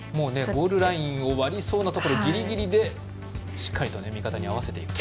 ゴールラインを割りそうなところギリギリでしっかり味方に合わせていく。